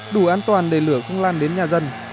đủ an toàn để lửa không lan đến nhà dân